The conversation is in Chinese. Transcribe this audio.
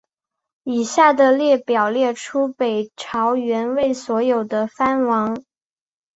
以下的列表列出北朝元魏所有的藩王。